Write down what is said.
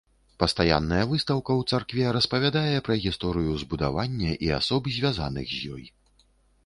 Пастаянная выстаўка ў царкве распавядае пра гісторыю збудавання і асоб, звязаных з ёй.